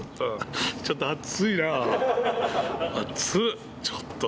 ちょっと暑いなあ。